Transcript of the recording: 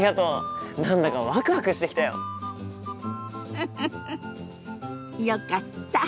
フフフよかった。